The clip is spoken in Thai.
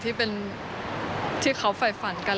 ที่เป็นที่เค้าไฝฝันกัน